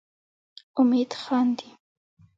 امید خاندي.